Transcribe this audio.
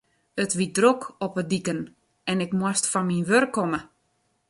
It wie drok op de diken en ik moast fan myn wurk komme.